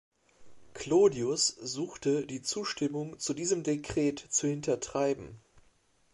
Clodius suchte die Zustimmung zu diesem Dekret zu hintertreiben.